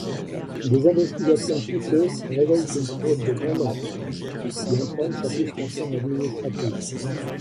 Des investigations poussées révèlent une fraude de grande ampleur, qui entraîne sa suspension administrative.